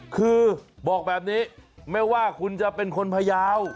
คือบอกแบบนี้ไม่ว่าคุณจะเป็นคนพยาว